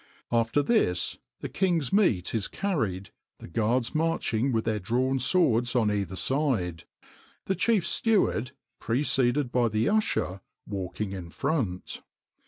After this, the king's meat is carried, the guards marching with their drawn swords on either side; the chief steward, preceded by the usher, walking in front.